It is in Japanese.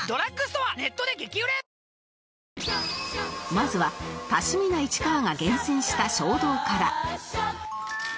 まずは多趣味な市川が厳選した衝動から